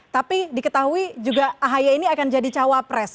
tapi diketahui juga ahy ini akan jadi cawapres